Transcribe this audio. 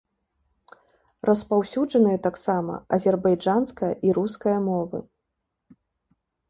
Распаўсюджаныя таксама азербайджанская і руская мовы.